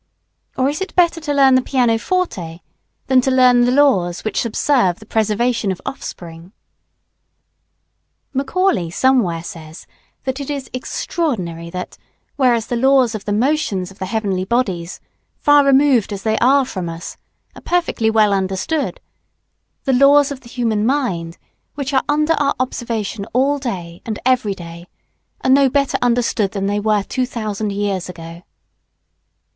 Or is it better to learn the piano forte than to learn the laws which subserve the preservation of offspring? Macaulay somewhere says, that it is extraordinary that, whereas the laws of the motions of the heavenly bodies, far removed as they are from us, are perfectly well understood, the laws of the human mind, which are under our observation all day and every day, are no better understood than they were two thousand years ago.